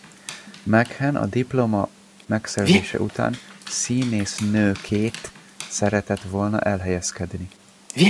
Meghan a diploma megszerzése után színésznőkét szeretett volna elhelyezkedni.